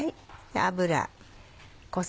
油。